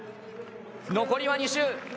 残りは２周。